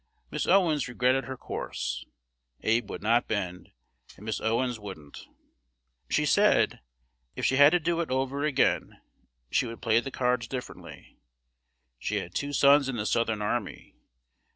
Miss Owens regretted her course. Abe would not bend; and Miss Owens wouldn't. She said, if she had it to do over again she would play the cards differently.... She had two sons in the Southern army.